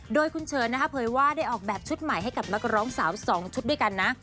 โดยคุณเฉินนะคะเผยว่าได้ออกแบบชุดใหม่ให้กับนักร้องสาว๒ชุดด้วยกันนะ